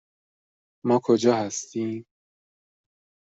ما کجا هستیم؟